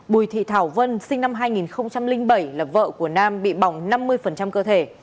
bùi thị thảo vân sinh năm hai nghìn bảy là vợ của nam bị bỏng năm mươi cơ thể